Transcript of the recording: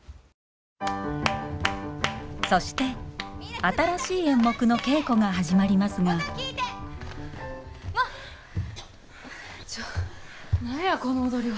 そして新しい演目の稽古が始まりますがちょ何やこの踊りは。